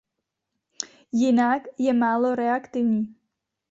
Jinak je málo reaktivní.